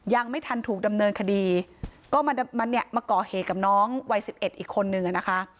ยังไม่ทันถูกดำเนินคดีก็มาเนี่ยมาก่อเหตุกับน้องวัย๑๑อีกคนนึงอ่ะนะคะ